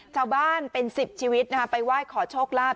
ชาวบ้านเป็น๑๐ชีวิตไปไหว้ขอโชคลาภ